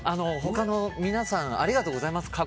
他の皆さんありがとうございます